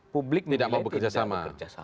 publik tidak mau bekerja sama